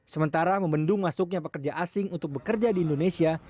sementara membendung masuknya pekerja asing untuk bekerja di indonesia